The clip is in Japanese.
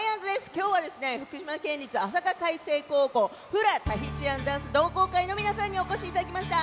今日は、福島県立あさか開成高校フラ・タヒチアンダンス同好会の皆さんにお越しいただきました。